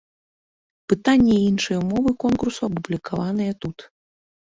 Пытанні і іншыя ўмовы конкурсу апублікаваныя тут.